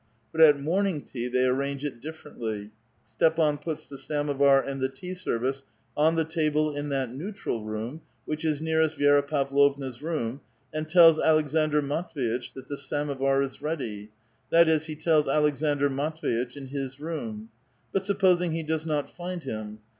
But at morning tea they arrange it differently. Stepan puts the samovar and the tea service on the table in that neutral room, which is nearest Vi6ra Pavlovna*s room, and tells Aleksandr Matv6 itch that the samovar is ready ; that is, he islls Aleksandr Matv6itch in his room. But supposing he does not find him?